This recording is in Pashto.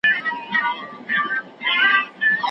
ړوند هلک له ډاره په اوږه باندي مڼه ونه ساتله.